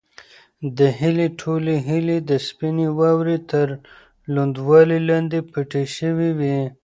د هیلې ټولې هیلې د سپینې واورې تر لوندوالي لاندې پټې شوې وې.